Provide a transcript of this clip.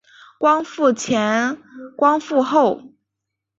光复前光复后